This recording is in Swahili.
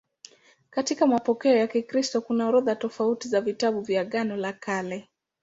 Katika mapokeo ya Kikristo kuna orodha tofauti za vitabu vya Agano la Kale.